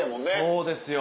そうですよ